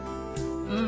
うん。